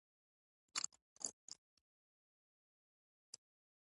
ویل یې په افغانستان کې تر شلو ډېر تلویزیونونه دي.